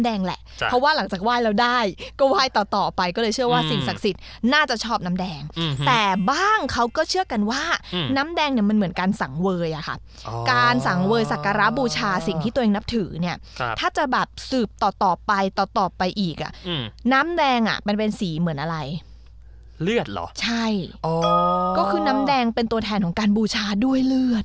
แดงอืมแต่บ้างเขาก็เชื่อกันว่าอืมน้ำแดงเนี้ยมันเหมือนการสั่งเวย์อ่ะครับอ๋อการสั่งเวย์สักการะบูชาสิ่งที่ตัวเองนับถือเนี้ยครับถ้าจะแบบสืบต่อต่อไปต่อต่อไปอีกอ่ะอืมน้ำแดงอ่ะมันเป็นสีเหมือนอะไรเลือดเหรอใช่อ๋อก็คือน้ำแดงเป็นตัวแทนของการบูชาด้วย